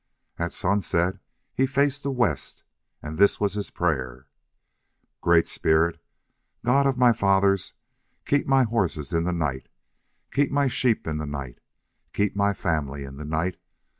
At sunset he faced the west, and this was his prayer: Great Spirit, God of my Fathers, Keep my horses in the night. Keep my sheep in the night. Keep my family in the night.